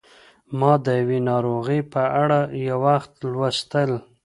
ما د یوې ناروغۍ په اړه یو وخت لوستل